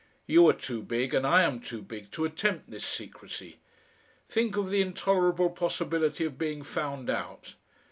"You are too big and I am too big to attempt this secrecy. Think of the intolerable possibility of being found out!